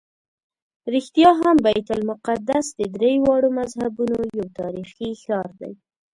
رښتیا هم بیت المقدس د درېواړو مذهبونو یو تاریخي ښار دی.